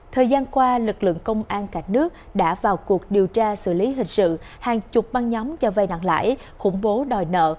thời gian qua lực lượng công an cả nước đã vào cuộc điều tra xử lý hình sự hàng chục băng nhóm cho vai nặng lãi khủng bố đòi nợ